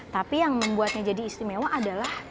tapi yang membuatnya jadi istimewa adalah